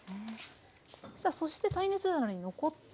さあそして耐熱皿に残った。